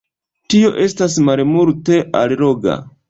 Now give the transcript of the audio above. Tio estas malmulte alloga.